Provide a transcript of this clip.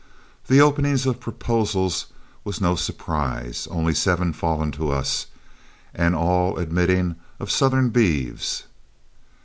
The opening of proposals was no surprise, only seven falling to us, and all admitting of Southern beeves.